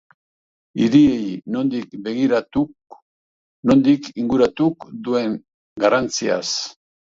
Hiriei nondik begiratuk, nondik inguratuk duen garrantziaz.